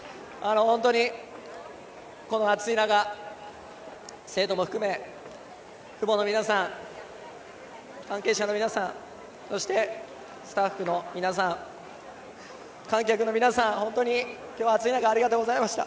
本当に、この暑い中生徒も含め、父母の皆さん関係者の皆さんそして、スタッフの皆さん観客の皆さん、今日は暑い中本当にありがとうございました。